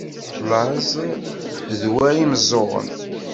Laẓ d war imeẓẓuɣen.